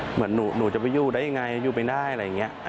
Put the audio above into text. เหมือนหนูจะไปอยู่ได้ยังไงอยู่ไม่ได้อะไรอย่างนี้